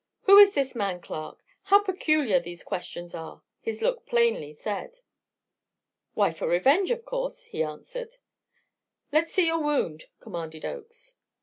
"Who is this man Clark? How peculiar these questions are!" his look plainly said. "Why, for revenge, of course," he answered. "Let's see your wound," commanded Oakes.